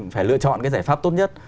phải lựa chọn cái giải pháp tốt nhất